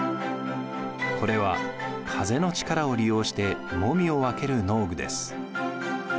これは風の力を利用してもみを分ける農具です。